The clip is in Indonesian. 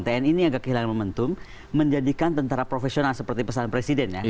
tni ini agak kehilangan momentum menjadikan tentara profesional seperti pesan presiden ya